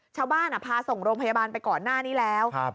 ชาวบ้านพาส่งโรงพยาบาลไปก่อนหน้านี้แล้ว